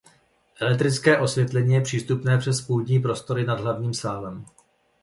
Elektrické osvětlení je přístupné přes půdní prostory nad hlavním sálem.